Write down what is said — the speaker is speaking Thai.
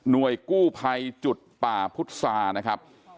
นวยกู้ภัยจุดป่าพุทธศาสตร์